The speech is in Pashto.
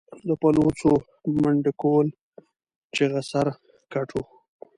د پلوڅو، منډکول چغه سر، ګټ و